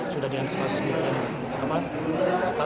sudah dianseskan sesuai dengan kata